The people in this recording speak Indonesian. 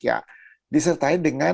ya disertai dengan